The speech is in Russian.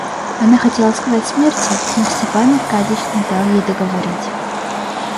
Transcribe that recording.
Она хотела сказать смерти, но Степан Аркадьич не дал ей договорить.